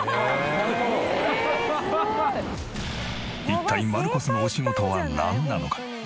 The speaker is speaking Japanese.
一体マルコスのお仕事はなんなのか？